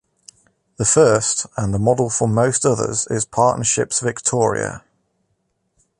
The first, and the model for most others, is Partnerships Victoria.